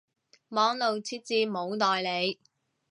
網路設置冇代理